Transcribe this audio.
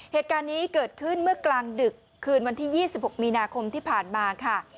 เหตุการณ์นี้เกิดขึ้นเมื่อกลางดึกคืนวันที่๒๖มีนาคมที่ผ่านมาค่ะ